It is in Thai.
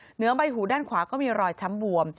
เหนือใบหูด้านขวาก็มีรอยช้ำบวม